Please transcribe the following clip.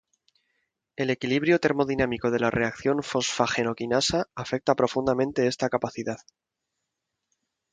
El equilibrio termodinámico de la reacción fosfágeno-quinasa afecta profundamente esta capacidad.